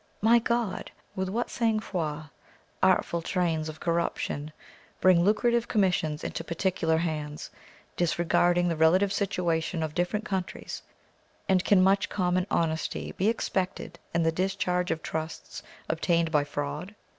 My God! with what sang froid artful trains of corruption bring lucrative commissions into particular hands, disregarding the relative situation of different countries, and can much common honesty be expected in the discharge of trusts obtained by fraud?